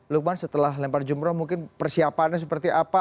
luqman setelah melempar jumrah mungkin persiapannya seperti apa